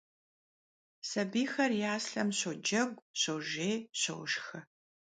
Sabiyxer yaslhem şocegu, şojjêy, şoşşxe.